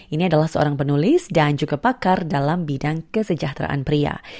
ini adalah seorang penulis dan juga pakar dalam bidang kesejahteraan pria